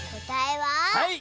はい！